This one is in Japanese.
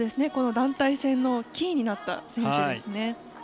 団体戦のキーになった選手ですね。